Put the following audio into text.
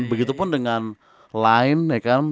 begitupun dengan lain ya kan